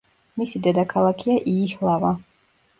მისი დედაქალაქია იიჰლავა.